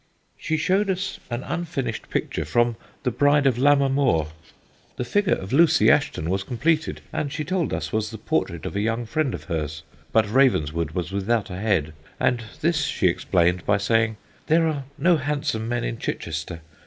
"She showed us an unfinished picture from The Bride of Lammermoor. The figure of Lucy Ashton was completed, and, she told us, was the portrait of a young friend of hers; but Ravenswood was without a head, and this she explained by saying, 'there are no handsome men in Chichester.